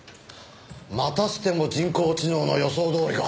またしても人工知能の予想どおりか。